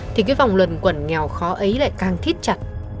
thì cái vòng luận quẩn nghèo khó ấy lại càng thít chặt